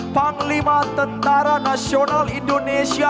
panglima tentara nasional indonesia